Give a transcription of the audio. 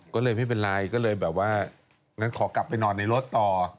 ก็เลยไม่เป็นไรก็เลยแบบว่างั้นขอกลับไปนอนในรถต่อ